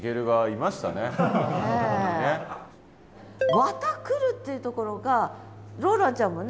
「綿繰る」っていうところがローランちゃんもね